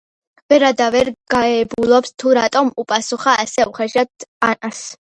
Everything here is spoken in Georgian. ვერა და ვერ გებულობს თუ რატომ უპასუხა ასე უხეშად ანას.